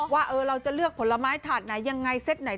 ว่าเราจะเลือกผลไม้ถาดไหนยังไงเซ็ตไหน